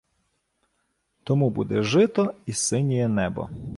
Тому буде жито і синєє небо